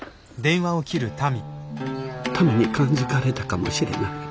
タミに感づかれたかもしれない。